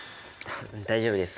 大丈夫です